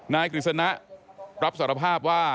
กฤษณะรับสารภาพว่า